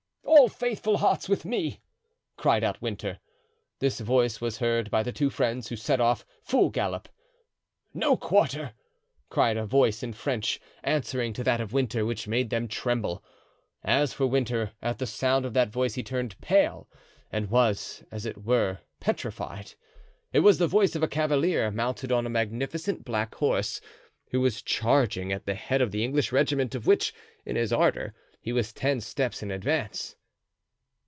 "All faithful hearts with me!" cried out Winter. This voice was heard by the two friends, who set off, full gallop. "No quarter!" cried a voice in French, answering to that of Winter, which made them tremble. As for Winter, at the sound of that voice he turned pale, and was, as it were, petrified. It was the voice of a cavalier mounted on a magnificent black horse, who was charging at the head of the English regiment, of which, in his ardor, he was ten steps in advance.